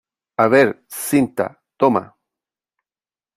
a ver , cinta . toma .